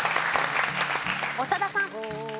長田さん。